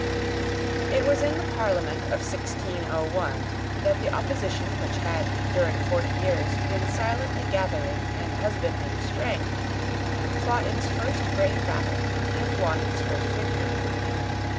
It was in the Parliament of 1601 that the opposition which had, during forty years, been silently gathering and husbanding strength, fought its first great battle and won its first victory.